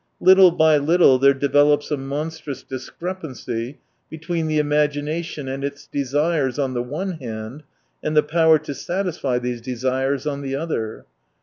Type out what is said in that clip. Little by little there develops a monstrous dis crepancy between the imagination and its desires, on the one hand, and the power to satisfy these desires, on the other.